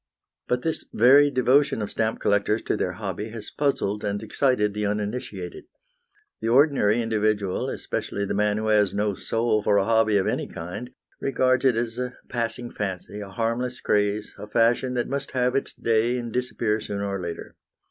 But this very devotion of stamp collectors to their hobby has puzzled and excited the uninitiated. The ordinary individual, especially the man who has no soul for a hobby of any kind, regards it as a passing fancy, a harmless craze, a fashion that must have its day and disappear, sooner or later.